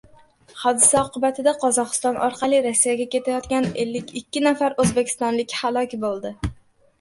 Hodisa oqibatida Qozogʻiston orqali Rossiyaga ketayotgan ellik ikki nafar oʻzbekistonlik halok boʻldi.